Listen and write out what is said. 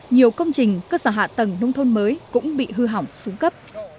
nhiều công trình cơ sở hạ tầng nông thôn mới cũng bị hư hỏng xuống cấp